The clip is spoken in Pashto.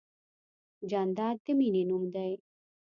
جانداد د مینې نوم دی.